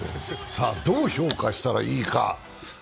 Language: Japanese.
さあ、どう評価したらいいか。